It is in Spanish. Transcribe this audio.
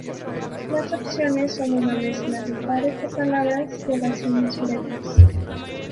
Las opciones son una mezcla de pares de palabras y oraciones breves.